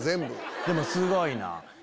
でもすごいな。